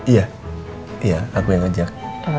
iya aku yang ngajak